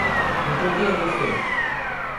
Então quem é você?